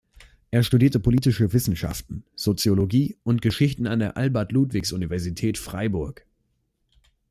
Er studierte Politische Wissenschaften, Soziologie und Geschichte an der Albert-Ludwigs-Universität Freiburg.